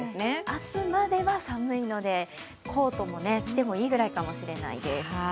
明日までは寒いのでコートを着てもいいぐらいかもしれないです。